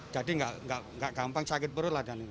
jadi nggak gampang sakit perut lah